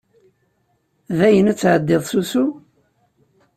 Dayen ad tɛeddiḍ s usu?